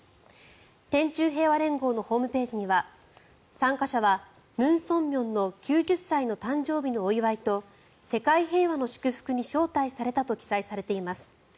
天宙平和連合のホームページには参加者はムン・ソンミョンの９０歳の誕生日のお祝いと世界平和の祝福に招待されたと記載されています。